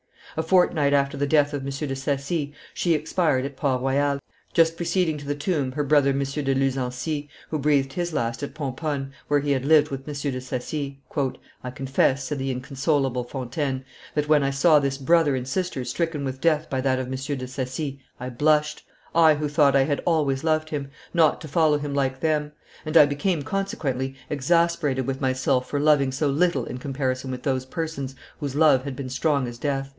A fortnight after the death of M. de Saci, she expired at Port Royal, just preceding to the tomb her brother M. de Luzancy, who breathed his last at Pomponne, where he had lived with M. de Saci. "I confess," said the inconsolable Fontaine, "that when I saw this brother and sister stricken with death by that of M. de Saci, I blushed I who thought I had always loved him not to follow him like them; and I became, consequently, exasperated with myself for loving so little in comparison with those persons, whose love had been strong as death."